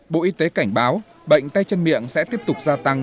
bộ y tế cảnh báo bệnh tay chân miệng sẽ tiếp tục gia tăng